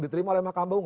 diterima oleh makam baung